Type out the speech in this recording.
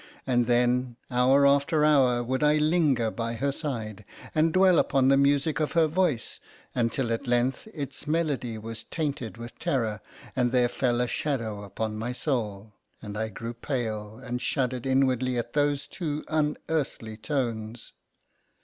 And then, hour after hour, would I linger by her side, and dwell upon the music of her voice, until at length its melody was tainted with terror, and there fell a shadow upon my soul, and I grew pale, and shuddered inwardly at those too unearthly tones.